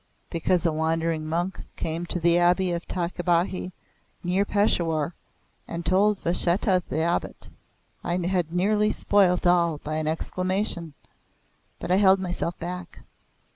"Because a wandering monk came to the abbey of Tahkt i Bahi near Peshawar and told Vasettha the Abbot." I had nearly spoilt all by an exclamation, but I held myself back.